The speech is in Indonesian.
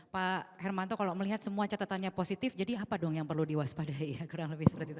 pak hermanto kalau melihat semua catatannya positif jadi apa dong yang perlu diwaspadai